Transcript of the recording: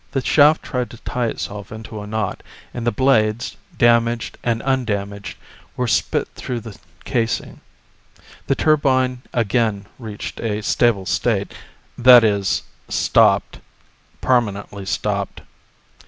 The shaft tried to tie itself into a knot, and the blades, damaged and undamaged were spit through the casing. The turbine again reached a stable state, that is, stopped. Permanently stopped.